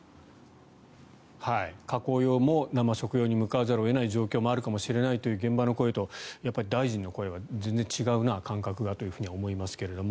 加工用も生食用に向かわざるを得ない現状もあるという現場の声とやっぱり大臣の声は全然違うな、感覚がと思いますけれども。